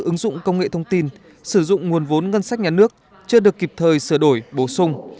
ứng dụng công nghệ thông tin sử dụng nguồn vốn ngân sách nhà nước chưa được kịp thời sửa đổi bổ sung